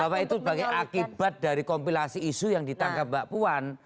bahwa itu sebagai akibat dari kompilasi isu yang ditangkap mbak puan